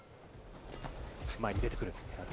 前に出てくる。